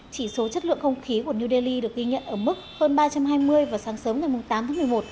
chỉ số chất lượng không khí của new delhi được ghi nhận ở mức hơn ba trăm hai mươi vào sáng sớm ngày tám tháng một mươi một